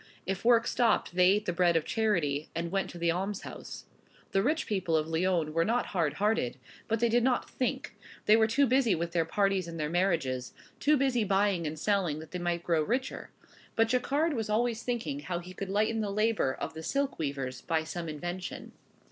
If work stopped, they ate the bread of charity, and went to the almshouse. The rich people of Lyons were not hard hearted, but they did not think; they were too busy with their parties and their marriages; too busy buying and selling that they might grow richer. But Jacquard was always thinking how he could lighten the labor of the silk weavers by some invention.